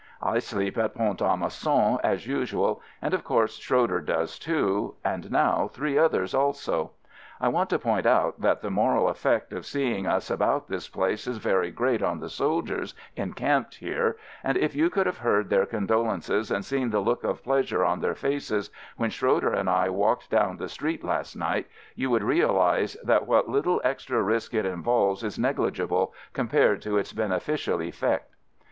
I sleep at Pont a Mousson as usual, and of course Schroeder does too, and now three others also. I want to point out that the moral effect of seeing FIELD SERVICE 81 us about this place is very great on the soldiers encamped here, and if you could have heard their condolences and seen the look of pleasure on their faces when Schroeder and I walked down the street last night, you would realize that what little extra risk it involves is negligible, compared to its beneficial effect.